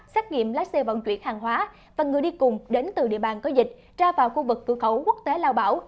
xét nghiệm lái xe vận chuyển hàng hóa và người đi cùng đến từ địa bàn có dịch ra vào khu vực cửa khẩu quốc tế lao bảo